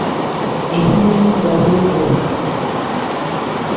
Ebinyonyi nga byegoba.